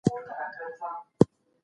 علمي خبره دا ده چې واقعیتونه ومنل سي.